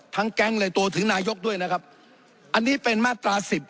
ทั้งแก๊งเลยตัวถึงนาโยคด้วยนะครับอันนี้เป็นนี่เป็นมตราสิบ